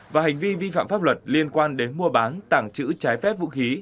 và hành vi vi phạm pháp luật liên quan đến mua bán tặng chữ vật liệu